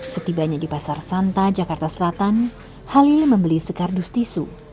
setibanya di pasar santa jakarta selatan halil membeli sekardus tisu